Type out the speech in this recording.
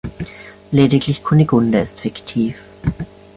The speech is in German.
Lediglich Kunigunde ist fiktiv.